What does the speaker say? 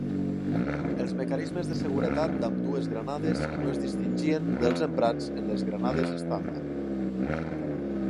Els mecanismes de seguretat d'ambdues granades no es distingien dels emprats en les granades estàndard.